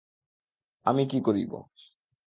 আমি কী করিব?